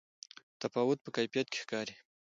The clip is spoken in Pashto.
تفاوت په کیفیت کې ښکاري.